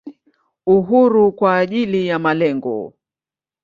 Uhuru kwa ajili ya malengo.